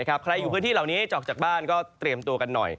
ใครอยู่พื้นที่เหล่านี้จะออกจากบ้านก็เตรียมตัวกันหน่อย